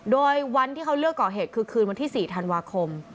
โดยวันที่เขาเลือกก่อเหตุคือคืนวันที่๔ธันวาคม